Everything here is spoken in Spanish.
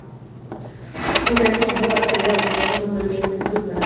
Un reacio Blue accede a retrasar momentáneamente su plan.